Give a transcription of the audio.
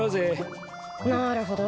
なるほど。